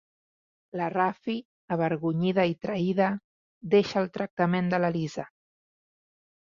La Rafi, avergonyida i traïda, deixa el tractament de la Lisa.